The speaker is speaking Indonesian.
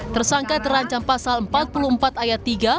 tersangka terancam pasal empat puluh empat ayat tiga